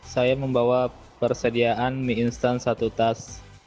saya membawa persediaan mie instan satu tas